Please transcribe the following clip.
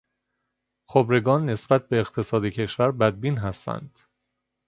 خبرگان نسبت به اقتصاد کشور بدبین هستند.